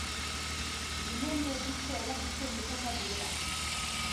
Binomio diskoa erakusten izan da gurean.